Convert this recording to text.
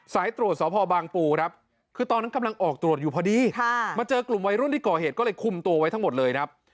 สายตรวจสพบางปูครับคือตอนนั้นกำลังออกตรวจอยู่พอดีมาเจอกลุ่มวัยรุ่นที่ก่อเหตุก็เลยคุมตัวไว้ทั้งหมดเลยครับ